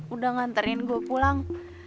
udah nganterin gue pulang